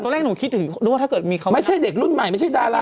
แรกหนูคิดถึงด้วยว่าถ้าเกิดมีเขาไม่ใช่เด็กรุ่นใหม่ไม่ใช่ดารา